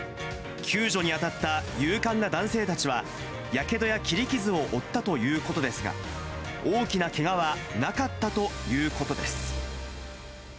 救助に当たった勇敢な男性たちは、やけどや切り傷を負ったということですが、大きなけがはなかったということです。